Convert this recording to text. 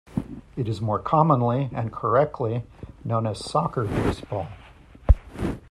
It is more commonly, and correctly, known as soccer baseball.